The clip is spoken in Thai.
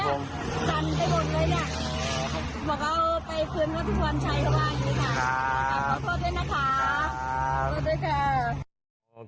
โทษด้วยนะค่ะโทษด้วยค่ะ